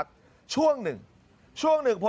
สมัยไม่เรียกหวังผม